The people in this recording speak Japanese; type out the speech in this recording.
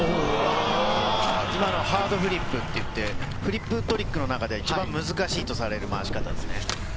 今のハードフリップって言って、フリップトリックの中でも一番難しいとされる回し方ですね。